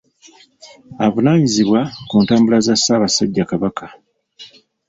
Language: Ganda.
Avunaanyizibwa ku ntambula za Ssaabasajja Kabaka.